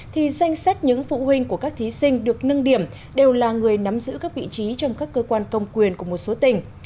thì danh sách những phụ huynh của các thí sinh được nâng điểm đều là người nắm giữ các vị trí trong các cơ quan công quyền của một số tỉnh